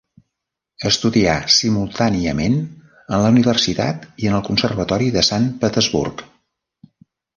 Estudià simultàniament en la Universitat i en el Conservatori de Sant Petersburg.